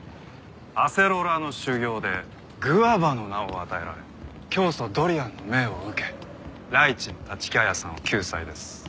アセロラの修行でグアバの名を与えられ教祖ドリアンの命を受けライチの立木彩さんを救済です。